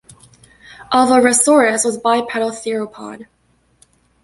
"Alvarezsaurus" was bipedal theropod.